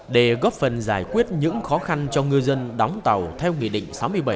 để góp phần giải quyết những khó khăn cho ngư dân đóng tàu theo nghị định sáu mươi bảy